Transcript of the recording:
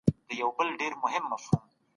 موږ اوس مهال پلان جوړوو.